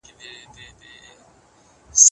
د ایرو څلی مي وران نه کړې ورو تېر شه.